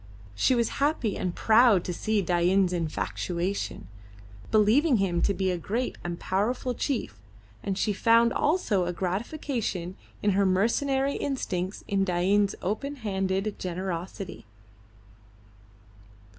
She was happy and proud to see Dain's infatuation, believing him to be a great and powerful chief, and she found also a gratification of her mercenary instincts in Dain's open handed generosity.